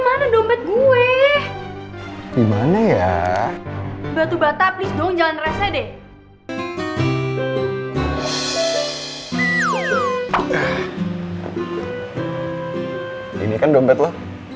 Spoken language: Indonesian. mana dompet gue gimana ya batu bata please dong jangan rese deh ini kan dompet lo